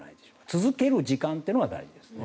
続ける時間というのは大事ですね。